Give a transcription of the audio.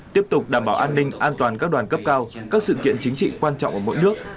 tiếp tục đảm bảo an ninh an toàn các đoàn cấp cao các sự kiện chính trị quan trọng ở mỗi nước